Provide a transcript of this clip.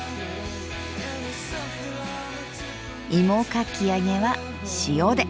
いもかき揚げは塩で！